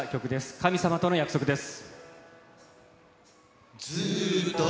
神様との約束です。